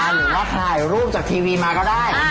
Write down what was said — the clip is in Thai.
หรือว่าถ่ายรูปจากทีวีมาก็ได้